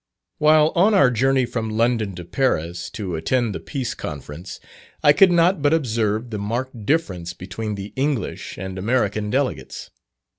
While on our journey from London to Paris, to attend the Peace Congress, I could not but observe the marked difference between the English and American delegates.